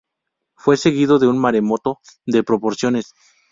Fue seguido de un maremoto de proporciones.